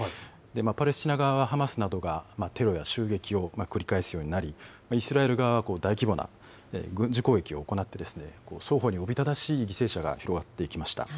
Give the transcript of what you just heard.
パレスチナ側はハマスなどがテロや襲撃を繰り返すようになり、イスラエル側は大規模な軍事攻撃を行って、双方におびただしい犠牲者が広がっていきました。